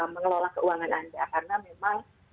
mengelola keuangan anda karena memang